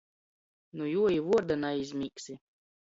Nu juo i vuorda naizmīgsi.